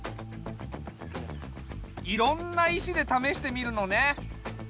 いろんな石でためしてみるのね。